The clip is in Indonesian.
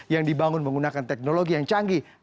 yang dibangun menggunakan teknologi yang canggih